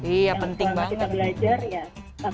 iya penting banget